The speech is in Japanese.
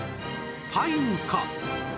パインか？